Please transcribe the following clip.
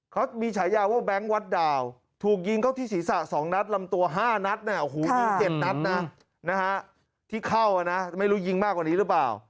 เขามีฉายาว่าแบงค์วัดดาวถูกยิงเข้าที่ศีรษะ๒นัดลำตัว๕นัดยิง๗นัดนะที่เข้านะไม่รู้ยิงมากกว่านี้หรือเปล่า